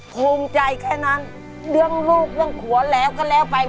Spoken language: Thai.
ชมใจแค่นั้นเรื่องลูกไม่ขัวก็แล้วไป